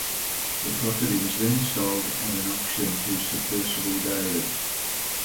The property was then sold at an auction to Sir Percival David.